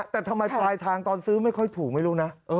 แต่ทำไมปลายทางตอนซื้อไม่ค่อยถูกไม่รู้นะ